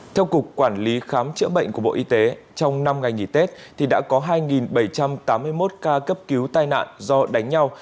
theo cục quản lý khám chữa bệnh của bộ y tế trong năm ngày nghỉ tết thì đã có hai bảy trăm tám mươi một ca cấp cứu tai nạn do đánh nhau